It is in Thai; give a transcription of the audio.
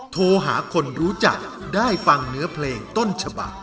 โทรหาคนรู้จักได้ฟังเนื้อเพลงต้นฉบัก